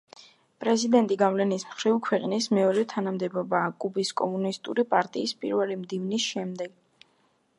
პრეზიდენტი გავლენის მხრივ ქვეყნის მეორე თანამდებობაა კუბის კომუნისტური პარტიის პირველი მდივნის შემდეგ.